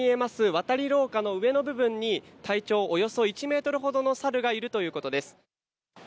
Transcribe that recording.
渡り廊下の上の部分に体長およそ１メートルほどの猿がいるということです。